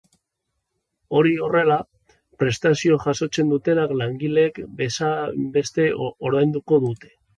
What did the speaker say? Hori horrela, prestazioa jasotzen dutenek langileek bezainbeste ordainduko dute.